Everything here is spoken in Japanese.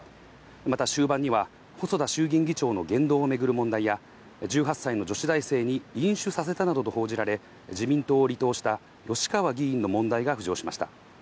また終盤には細田衆議院議長の言動をめぐる問題や、１８歳の女子大生に飲酒させたなどと報じられ自民党を離党した吉川議員の問題が浮上しました。